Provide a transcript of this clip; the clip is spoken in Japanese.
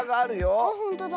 あっほんとだ。